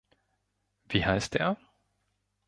Wie heißt der?